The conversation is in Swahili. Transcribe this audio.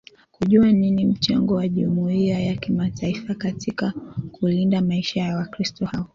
kujua nini mchango wa jumuiya ya kimataifa katika kulinda maisha ya wakristo hao